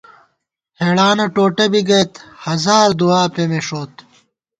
ہېڑانہ ٹوٹہ بی گَئیت ، ہزار دُعا پېمېݭوت